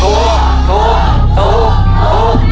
ถูก